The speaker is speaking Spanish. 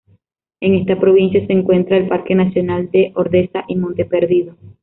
En esta provincia se encuentra el Parque nacional de Ordesa y Monte Perdido.